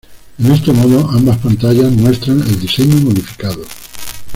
En este modo ambas pantallas muestran el diseño modificado.